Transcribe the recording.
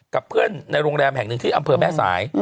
กับเพื่อนในโรงแรมแห่งหนึ่งที่อำเภอแม่สาย